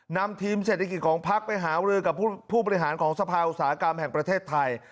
นำทีมเศรษฐกิจของพักไปหารือกับผู้บริหารของสภาอุตสาหกรรมแห่งประเทศไทย